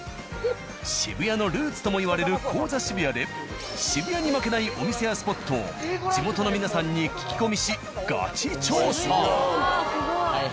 渋谷のルーツともいわれる高座渋谷で渋谷に負けないお店やスポットを地元の皆さんに聞き込みしガチ調査。